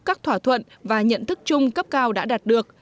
các thỏa thuận và nhận thức chung cấp cao đã đạt được